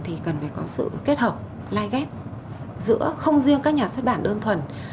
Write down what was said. thì cần phải có sự kết hợp lai ghép giữa không riêng các nhà xuất bản đơn thuần